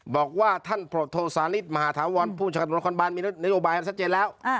บอกว่าท่านโพธโศนิสมหาธาวรภูมิชคัตรวรรคอนบาลมีนโนโลบายซักเจนแล้ว